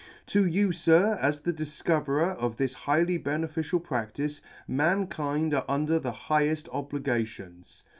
" To you, Sir, as the difcoverer of this highly beneficial practice, mankind are under the higheft obligations.